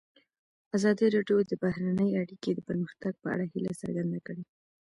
ازادي راډیو د بهرنۍ اړیکې د پرمختګ په اړه هیله څرګنده کړې.